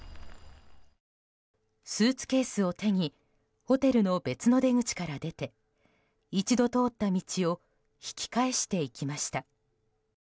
スーツケースを手にホテルの別の出口から出て一度通った道を引き返していきました。